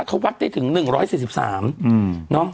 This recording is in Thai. เขาวัดได้ถึง๑๔๓